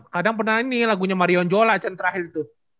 kadang pernah nih lagunya marion jola acen terakhir itu